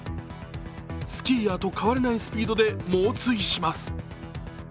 スキーヤーと変わらないスピードで猛追します。